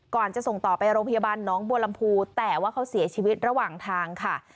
จะส่งต่อไปโรงพยาบาลน้องบัวลำพูแต่ว่าเขาเสียชีวิตระหว่างทางค่ะ